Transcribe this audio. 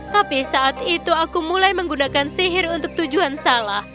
tapi saat itu aku mulai menggunakan sihir untuk tujuan salah